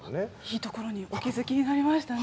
いいところにお気付きになりましたね。